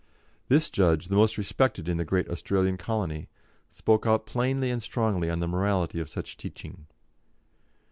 This judge, the most respected in the great Australian colony, spoke out plainly and strongly on the morality of such teaching.